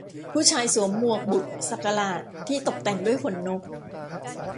ผู้ชายสวมหมวกบุสักหลาดที่ตกแต่งด้วยขนนก